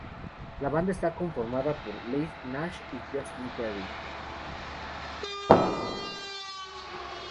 La banda está conformada por Leigh Nash, y Justin Cary.